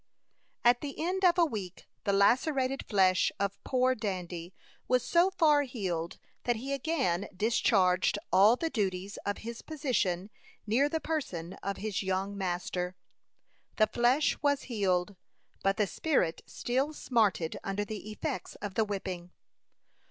At the end of a week the lacerated flesh of poor Dandy was so far healed that he again discharged all the duties of his position near the person of his young master. The flesh was healed, but the spirit still smarted under the effects of the whipping.